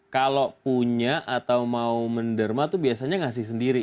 kalau punya atau mau menderma itu biasanya ngasih sendiri